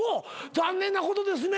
残念なことですね。